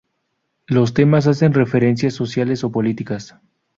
Los temas hace referencias sociales o políticas.